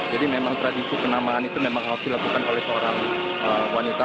jadi memang tradisi penamaan itu memang harus dilakukan oleh seorang wanita